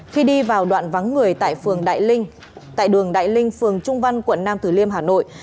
khi đi vào đoạn vắng người tại phường đại linh tại đường đại linh phường trung văn quận nam tử liêm hà nội